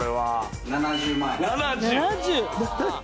７０万円。